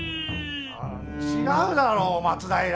違うだろう松平！